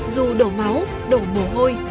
dù đổ máu đổ mồ hôi